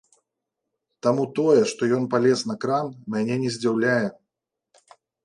Таму тое, што ён палез на кран, мяне не здзіўляе.